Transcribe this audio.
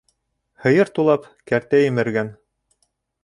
Һыйыр тулап, кәртә емергән.